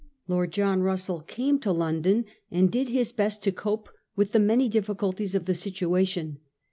Lord John Russell came to London and did his best to cope with the many diffi culties of the situation.